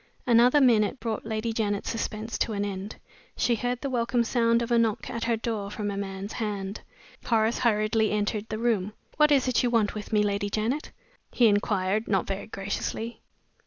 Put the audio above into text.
Another minute brought Lady Janet's suspense to an end. She heard the welcome sound of a knock at her door from a man's hand. Horace hurriedly entered the room. "What is it you want with me, Lady Janet?" he inquired, not very graciously.